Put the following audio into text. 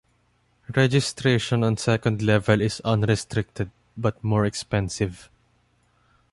Registration on second level is unrestricted, but more expensive.